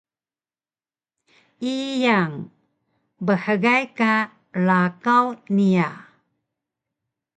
Iyang: Bhgay ka rakaw niya